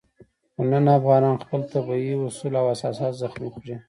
خو نن افغانانو خپل طبیعي اصول او اساسات زخمي کړي.